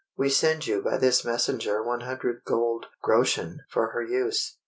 we send you by this messenger 100 gold Groschen for her use."